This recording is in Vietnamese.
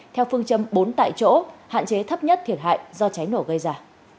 theo phương châm bốn tại chỗ hạn chế thấp nhất thiệt hại do cháy nổ gây ra